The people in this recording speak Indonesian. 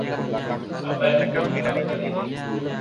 Apa yang membuatmu melakukan ini?